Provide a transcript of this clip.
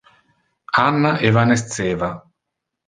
Anna evanesceva.